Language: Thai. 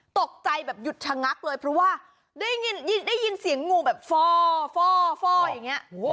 ตกใจแบบหยุดชะงักเลยเพราะว่าได้ยินเสียงงูแบบฟ่ออย่างนี้